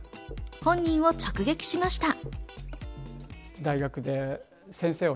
本人を直撃しました。